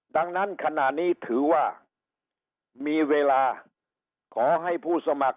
ดังนั้นขณะนี้ถือว่ามีเวลาขอให้ผู้สมัคร